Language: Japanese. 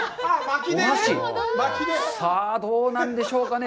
さあ、どうなんでしょうかね。